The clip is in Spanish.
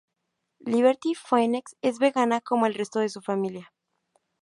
Liberty Phoenix es vegana como el resto de su familia.